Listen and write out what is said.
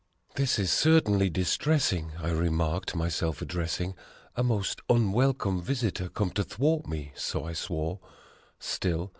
6 "This is certainly distressing!" I remarked my self addressing "A most unwelcome visitor come to thwart me," so I swore.